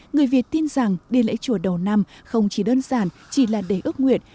người việt tin rằng đi lễ chùa đầu năm không chỉ đơn giản chỉ là để ước nguyện